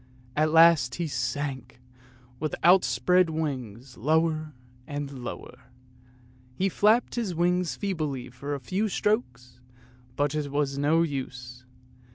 At last he sank, with outspread wings, lower and lower; he flapped his wings feebly for a few strokes, but it was no use.